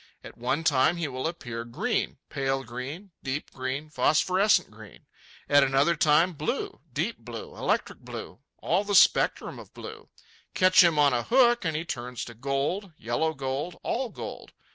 At one time he will appear green—pale green, deep green, phosphorescent green; at another time blue—deep blue, electric blue, all the spectrum of blue. Catch him on a hook, and he turns to gold, yellow gold, all gold.